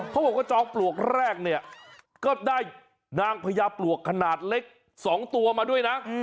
เขาบอกว่าจอมปลวกแรกเนี่ยก็ได้นางพญาปลวกขนาดเล็ก๒ตัวมาด้วยนะ